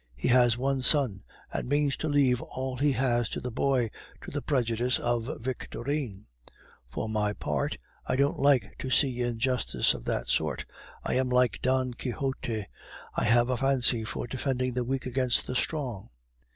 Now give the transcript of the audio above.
He has one son, and means to leave all he has to the boy, to the prejudice of Victorine. For my part, I don't like to see injustice of this sort. I am like Don Quixote, I have a fancy for defending the weak against the strong.